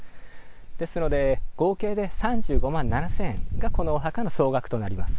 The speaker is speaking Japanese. ですので、合計で３５万７０００円がこのお墓の総額となります。